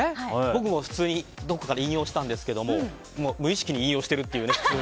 僕も普通にどこかから引用したんですけど無意識に引用してるっていうね。